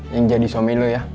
yang jadi suami lu ya